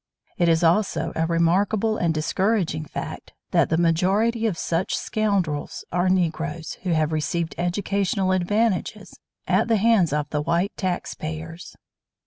It is also a remarkable and discouraging fact that the majority of such scoundrels are Negroes who have received educational advantages at the hands of the white taxpayers.